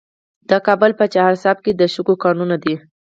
د کابل په چهار اسیاب کې د شګو کانونه دي.